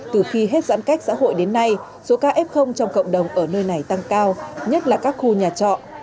từ khi hết giãn cách xã hội đến nay số ca f trong cộng đồng ở nơi này tăng cao nhất là các khu nhà trọ